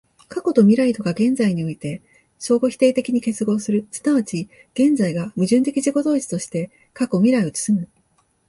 過去と未来とが現在において相互否定的に結合する、即ち現在が矛盾的自己同一として過去未来を包む、